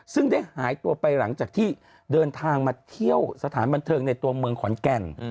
ซึ่งได้หายตัวไปหลังจากที่เดินทางมาเที่ยวสถานบันเทิงในตัวเมืองขอนแก่น